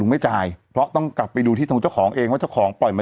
ไม่จ่ายเพราะต้องกลับไปดูที่ทางเจ้าของเองว่าเจ้าของปล่อยมา